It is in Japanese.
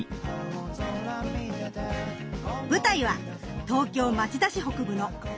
舞台は東京・町田市北部の小野路。